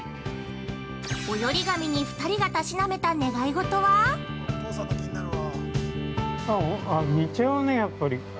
◆おより紙に２人がたしなめた願いごとは？◆似ちゃうね、やっぱり。